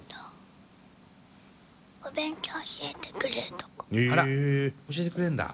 お勉強教えてくれるとこ。